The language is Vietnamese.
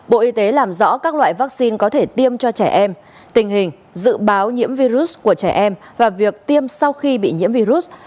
bộ y tế làm rõ các loại vaccine có thể tiêm cho trẻ em tình hình dự báo nhiễm virus của trẻ em và việc tiêm sau khi bị nhiễm virus